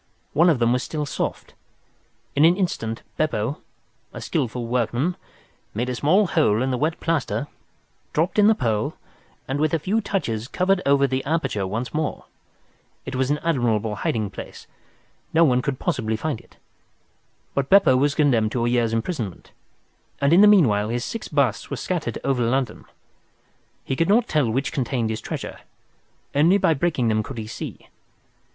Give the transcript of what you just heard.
One of them was still soft. In an instant Beppo, a skilful workman, made a small hole in the wet plaster, dropped in the pearl, and with a few touches covered over the aperture once more. It was an admirable hiding place. No one could possibly find it. But Beppo was condemned to a year's imprisonment, and in the meanwhile his six busts were scattered over London. He could not tell which contained his treasure. Only by breaking them could he see.